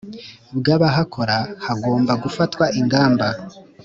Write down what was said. bw abahakora hagomba gufatwa ingamba